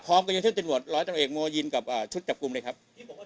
พร้อมกับจุดจับกลุ่มเลยครับ